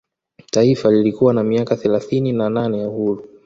Taifa lilikuwa na miaka thelathini na nane ya uhuru